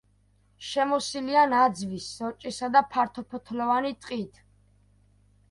შემოსილია ნაძვის, სოჭისა და ფართოფოთლოვანი ტყით.